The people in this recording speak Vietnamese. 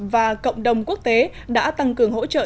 và cộng đồng quốc tế đã tăng cường hỗ trợ